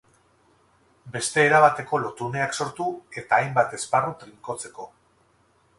Beste erabateko lotuneak sortu eta hainbat esparru trinkotzeko.